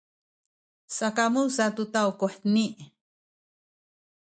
sakamu sa tu taw kuheni.